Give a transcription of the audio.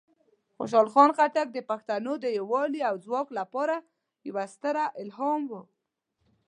خوشحال خان خټک د پښتنو د یوالی او ځواک لپاره یوه ستره الهام وه.